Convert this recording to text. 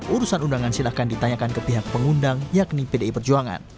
urusan undangan silahkan ditanyakan ke pihak pengundang yakni pdi perjuangan